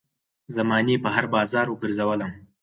زمانې په هـــــر بازار وګرځــــــــــولم